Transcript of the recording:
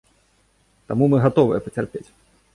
Таму мы гатовыя пацярпець.